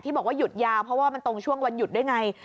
บอกว่าหยุดยาวเพราะว่ามันตรงช่วงวันหยุดด้วยไง